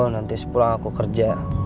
nanti sepulang aku kerja